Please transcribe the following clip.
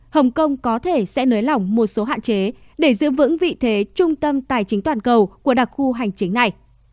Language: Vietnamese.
hồng kông có thể sẽ nới lỏng một số hạn chế để giữ vững vị thế trung tâm tài chính toàn cầu của đặc khu hành chính này